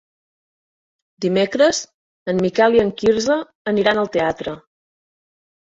Dimecres en Miquel i en Quirze aniran al teatre.